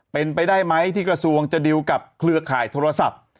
เป็นไปได้ไหมที่กระทรวงจะดิวกับเครือข่ายโทรศัพท์